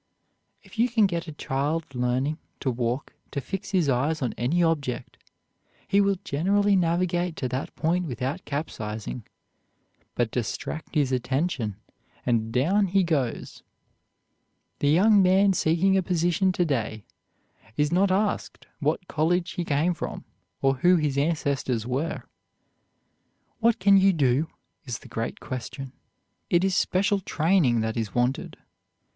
If you can get a child learning to walk to fix his eyes on any object, he will generally navigate to that point without capsizing, but distract his attention and down he goes. The young man seeking a position to day is not asked what college he came from or who his ancestors were. "What can you do?" is the great question. It is special training that is wanted.